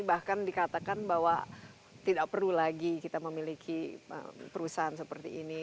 bahkan dikatakan bahwa tidak perlu lagi kita memiliki perusahaan seperti ini